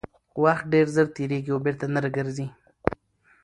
وخت ډېر ژر تېرېږي او بېرته نه راګرځي